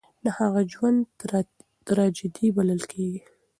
د هغه ژوند تراژيدي بلل کېږي.